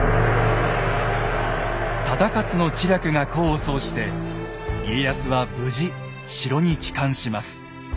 忠勝の知略が功を奏して家康は無事城に帰還します。